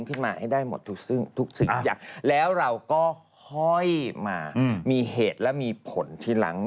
ขึ้นมาให้ได้หมดทุกอย่างแล้วเราก็ค่อยมามีเหตุและมีผลที่ล้าง